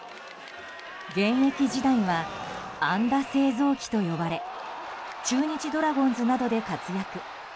現役時代は、安打製造機と呼ばれ中日ドラゴンズなどで活躍。